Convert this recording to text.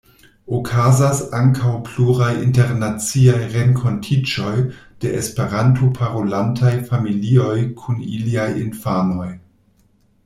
Okazas ankaŭ pluraj internaciaj renkontiĝoj de Esperanto-parolantaj familioj kun iliaj infanoj.